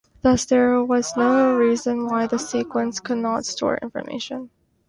Thus there was no reason why the sequence could not store information.